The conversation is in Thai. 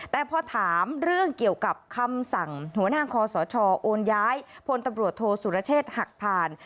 แต่พอถามเรื่องเกี่ยวกับคำสั่งหัวหน้าคอสชโอนย้ายพลตำรวจโทษสุรเชษฐ์หักผ่าน